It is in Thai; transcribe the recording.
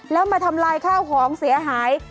แล้วมาทำลายข้าวของเสียหาย